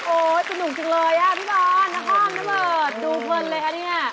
โอ้ยสนุกจริงเลยพี่บอลนครน้ำเบิร์ดดูเพลินเลยครับเนี่ย